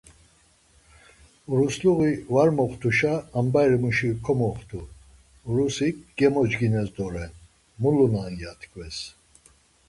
Urusluği var moxtuşa ambai muşi komoxtu, Urusik gemocgines doren, mulunan ya tkves.